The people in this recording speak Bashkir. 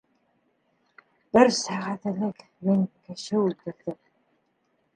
— Бер сәғәт элек мин кеше үлтерҙем.